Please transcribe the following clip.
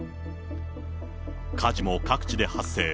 火事も各地で発生。